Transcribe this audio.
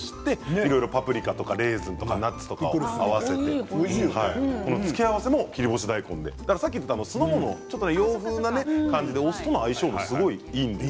パプリカやレーズンナッツと合わせて付け合わせも切り干し大根で酢の物、洋風な感じでお酢との相性もすごくいいんです。